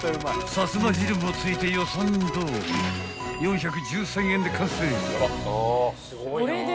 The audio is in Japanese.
［さつま汁も付いて予算どおり４１３円で完成］